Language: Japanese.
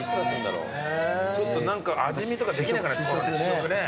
ちょっと何か味見とかできないかな試食ね。